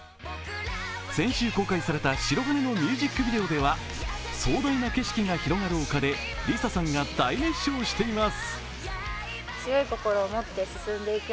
先週公開された「白銀」のミュージックビデオでは壮大な景色が広がる丘でＬｉＳＡさんが大熱唱しています。